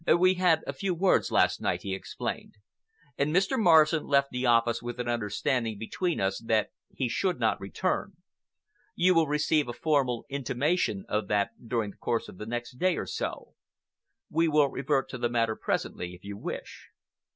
"We had a few words last night," he explained "and Mr. Morrison left the office with an understanding between us that he should not return. You will receive a formal intimation of that during the course of the next day or so. We will revert to the matter presently, if you wish.